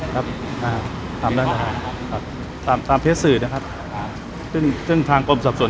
คติภาพออกมาด้วยกับประหลาดของมัน